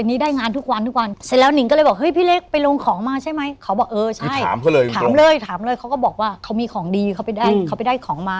นี่ได้งานทุกวันทุกวัน